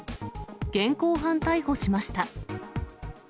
現行犯逮捕しました。